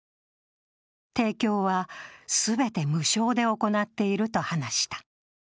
提供は、全て無償で行っていると話した。